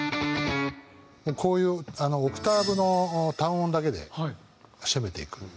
こういうオクターブの単音だけで攻めていく。